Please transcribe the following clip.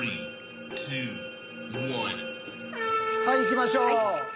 はいいきましょう。